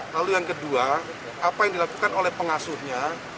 lalu yang kedua apa yang dilakukan oleh pengasuhnya